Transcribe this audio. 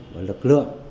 và lực lượng